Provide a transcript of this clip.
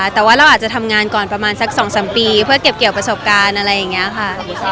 แต่ว่าเราอาจจะทำงานก่อนประมาณสัก๒๓ปีเพื่อเก็บเกี่ยวประสบการณ์อะไรอย่างนี้ค่ะ